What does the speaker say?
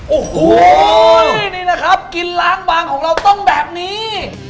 โอ้โหนี่นะครับกินล้างบางของเราต้องแบบนี้